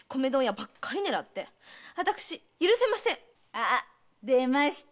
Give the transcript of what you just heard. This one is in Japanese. あ出ました！